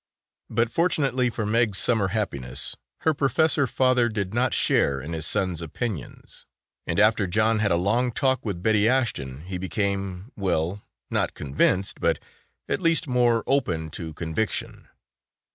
But fortunately for Meg's summer happiness, her Professor father did not share in his son's opinions and after John had a long talk with Betty Ashton he became well, not convinced, but at least more open to conviction.